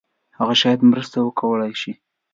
هغه شاید مرسته وکړای شي.